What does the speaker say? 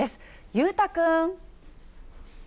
裕太君。